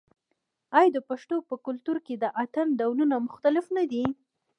آیا د پښتنو په کلتور کې د اتن ډولونه مختلف نه دي؟